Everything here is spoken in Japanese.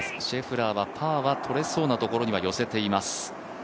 シェフラーはパーは取れそうなところに寄せています。